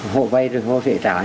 họ vay rồi họ sẽ trả